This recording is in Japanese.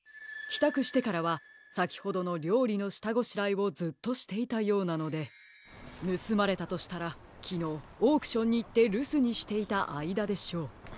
きたくしてからはさきほどのりょうりのしたごしらえをずっとしていたようなのでぬすまれたとしたらきのうオークションにいってるすにしていたあいだでしょう。